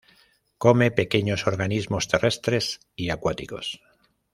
Come pequeños organismos terrestres y acuáticos.